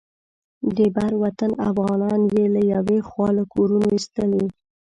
د بر وطن افغانان یې له یوې خوا له کورونو ایستلي.